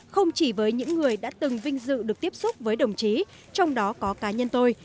không chỉ với những người đã từng vinh dự được tiếp xúc với đồng chí trong đó có cá nhân tôi